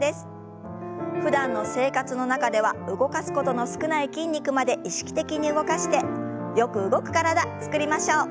ふだんの生活の中では動かすことの少ない筋肉まで意識的に動かしてよく動く体つくりましょう。